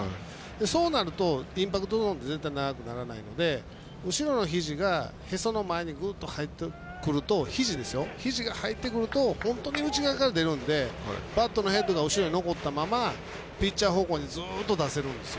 そうなるとインパクトゾーンって絶対長くならないので後ろのひじが、へその前にグッとひじが入ってくると本当に内側から出るんで、バットのヘッドが後ろに残ったままピッチャー方向に出せるんですよ。